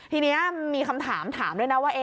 ทีนี้มีคำถามถามด้วยนะว่า